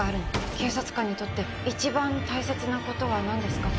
警察官にとって一番大切なことはなんですかって。